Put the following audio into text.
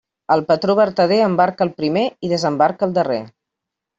El patró vertader embarca el primer i desembarca el darrer.